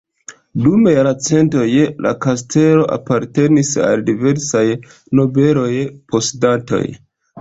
Dum la jarcentoj la kastelo apartenis al diversaj nobelaj posedantoj.